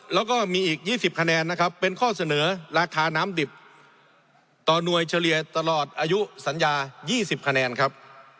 แล้วก็มีอีก๒๐คะแนนนะครับเป็นข้อเสนอราคาน้ำดิบต่อหน่วยเฉลี่ยตลอดอายุสัญญา๒๐คะแนนครับ